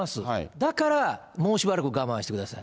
だからもうしばらく我慢してください。